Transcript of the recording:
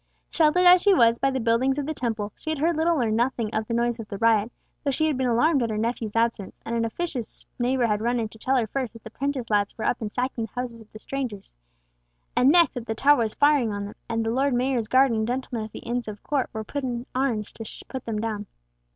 Sheltered as she was by the buildings of the Temple, she had heard little or nothing of the noise of the riot, though she had been alarmed at her nephew's absence, and an officious neighbour had run in to tell her first that the prentice lads were up and sacking the houses of the strangers, and next that the Tower was firing on them, and the Lord Mayor's guard and the gentlemen of the Inns of Court were up in arms to put them down.